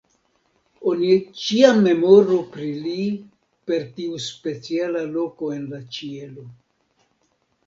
Oni ĉiam memoru pri li per tiu speciala loko en la ĉielo.